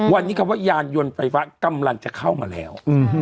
วันนี้คำว่ายานยนต์ไฟฟ้ากำลังจะเข้ามาแล้ว